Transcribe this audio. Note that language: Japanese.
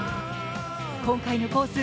今回のコース